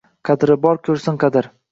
Qadri bor ko’rsin qadr.